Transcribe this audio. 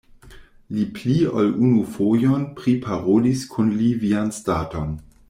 Mi pli ol unu fojon priparolis kun li vian staton.